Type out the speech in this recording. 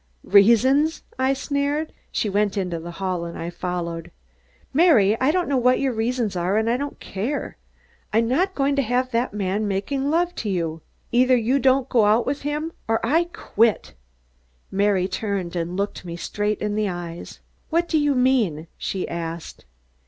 "Reasons!" I sneered. She went into the hall and I followed. "Mary, I don't know what your reasons are, and I don't care. I'm not going to have that man making love to you. Either you don't go out with him, or I quit." Mary turned and looked me straight in the eyes. "What do you mean?" she asked.